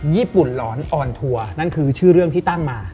ญี่ปุ่นหลอนออนทัวร์นั่นคือชื่อเรื่องที่ตั้งมา